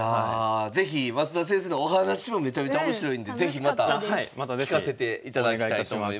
是非増田先生のお話もめちゃめちゃ面白いんで是非また聞かせていただきたいと思います。